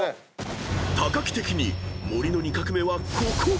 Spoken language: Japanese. ［木的に「盛」の２画目はここ！］